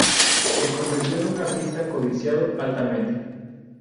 Se convirtió en un artista codiciado altamente.